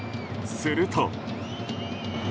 すると。